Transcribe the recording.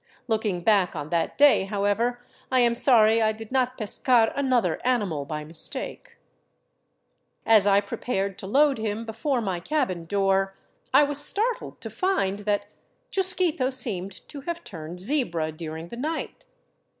Looking back on that day, however, I am sorry I did not pescar another animal by mis take. As I prepared to load him before my cabin door, I was startled to find that Chusquito seemed to have turned zebra during the night.